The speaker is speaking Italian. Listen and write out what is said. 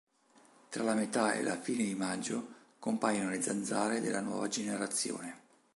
Tra la metà e la fine di maggio compaiono le zanzare della nuova generazione.